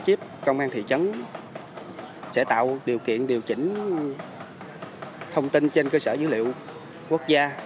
chip công an thị trấn sẽ tạo điều kiện điều chỉnh thông tin trên cơ sở dữ liệu quốc gia